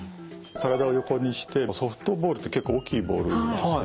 体を横にしてソフトボールって結構大きいボールですよね。